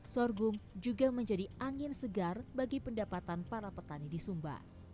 sorghum juga menjadi angin segar bagi pendapatan para petani di sumba